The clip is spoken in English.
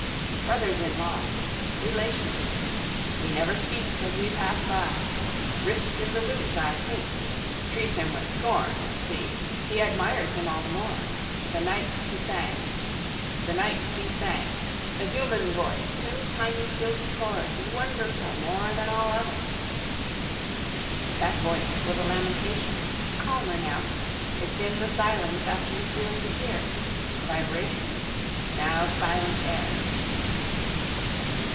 Brothers in law: relations. We never speak as we pass by. Rift in the lute I think. Treats him with scorn. See. He admires him all the more. The night Si sang. The human voice, two tiny silky chords, wonderful, more than all others. That voice was a lamentation. Calmer now. It's in the silence after you feel you hear. Vibrations. Now silent air.